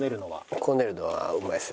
こねるのはうまいですよ。